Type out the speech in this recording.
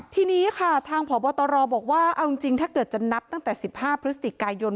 ทีนี้ค่ะทางพบตรบอกว่าเอาจริงถ้าเกิดจะนับตั้งแต่๑๕พฤศจิกายน